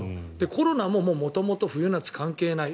コロナも元々冬夏関係ない。